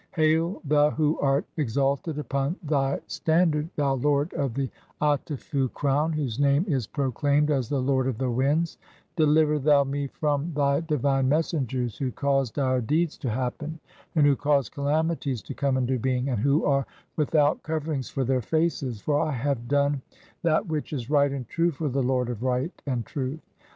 Hail, thou who art exalted upon "thy standard, thou lord of the Atefu crown, whose name is "proclaimed as 'Lord of the winds', deliver thou me (16) from "thy divine messengers who cause dire deeds to happen, and "who cause calamities to come into being, and (17) who are "without coverings for their faces, for I have done that which "is right and true for the Lord of right and truth.